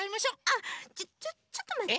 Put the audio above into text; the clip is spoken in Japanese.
あっちょっちょっとまって。